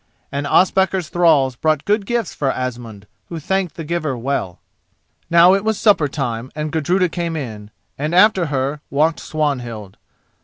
And Ospakar's thralls brought good gifts for Asmund, who thanked the giver well. Now it was supper time, and Gudruda came in, and after her walked Swanhild.